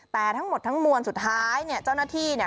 แต่ทั้งหมดทั้งมวลสุดท้ายเนี่ยเจ้าหน้าที่เนี่ย